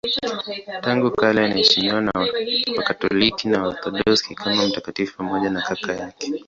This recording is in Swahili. Tangu kale anaheshimiwa na Wakatoliki na Waorthodoksi kama mtakatifu pamoja na kaka yake.